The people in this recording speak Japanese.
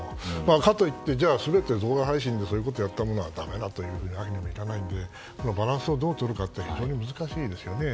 かといってじゃあ、動画配信でそういうものをやるのはだめだというわけにもいかないのでバランスをどうとるかというのは非常に難しいですよね。